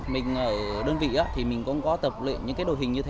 mình ở đơn vị thì mình cũng có tập luyện những cái đội hình như thế